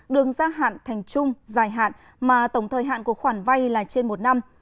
đường gia hạn thành chung dài hạn mà tổng thời hạn của khoản vay là trên một năm